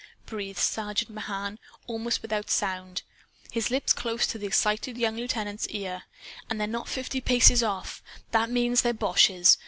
breathed Sergeant Mahan almost without sound, his lips close to the excited young lieutenant's ear. "And they're not fifty paces off. That means they're boches.